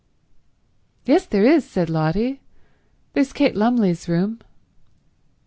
"Yes, there is," said Lotty. "There's Kate Lumley's room."